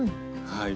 はい。